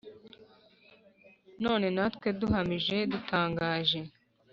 None natwe duhamije dutangaje